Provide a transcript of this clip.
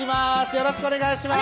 よろしくお願いします